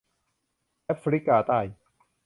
แอฟริกาใต้